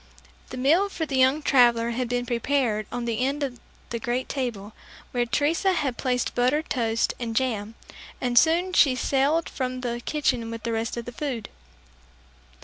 The meal for the young traveler had been prepared on the end of the great table, where Teresa had placed buttered toast and jam, and soon she sallied from the kitchen with the rest of the food.